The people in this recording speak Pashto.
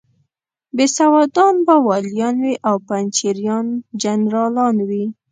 بېسوادان به والیان وي او پنجشیریان جنرالان وي.